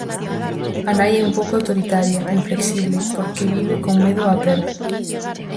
A nai é un pouco autoritaria, inflexible, porque vive con medo á perda.